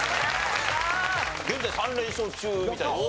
現在３連勝中みたいです。